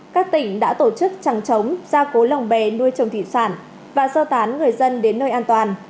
các tỉnh đã tổ chức trẳng chống gia cố lòng bè nuôi trồng thị sản và do tán người dân đến nơi an toàn